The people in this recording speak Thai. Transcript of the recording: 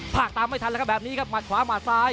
ภาคตามไม่ทันแล้วครับแบบนี้ครับหัดขวาหมัดซ้าย